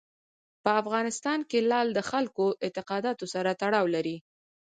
په افغانستان کې لعل د خلکو د اعتقاداتو سره تړاو لري.